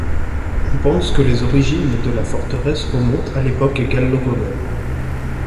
On pense que les origines de la forteresse remontent à l'époque gallo-romaine.